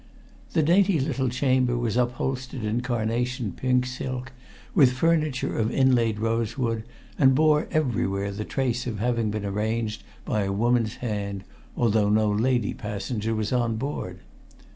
The dainty little chamber was upholstered in carnation pink silk with furniture of inlaid rosewood, and bore everywhere the trace of having been arranged by a woman's hand, although no lady passenger was on board.